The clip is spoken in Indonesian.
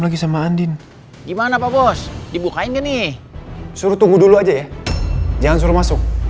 lagi sama andin gimana pak bos dibukainnya nih suruh tunggu dulu aja ya jangan suruh masuk